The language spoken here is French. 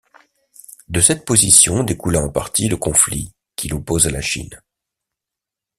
De cette position découla en partie le conflit qui l’oppose à la Chine.